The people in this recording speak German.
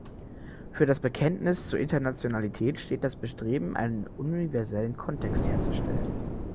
Für das Bekenntnis zur Internationalität steht das Bestreben, einen universellen Kontext herzustellen.